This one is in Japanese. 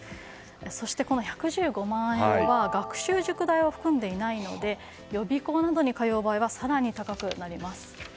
そして、この１１５万円は学習塾代を含んでいないので予備校などに通う場合は更に高くなります。